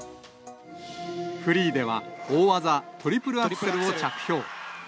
フリーでは、大技、トリプルアクセルを着氷。